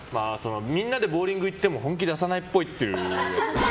みんなでボウリング行っても本気出さないっぽい。